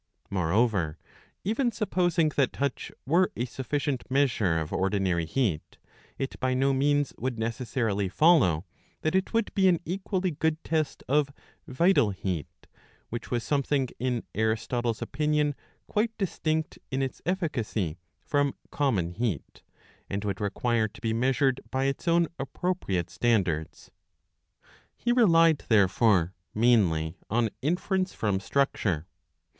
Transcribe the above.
Moreover, even supposing that touch were a sufficient measure of ordinary heat, it by no means would necessarily follow that it would be an equally good test of " vital heat," which was something in Aristotle's opinion quite distinct in its efficacy from common heat,'^ and would require to be measured by its own appropriate standards. He relied therefore mainly on inference q from structure.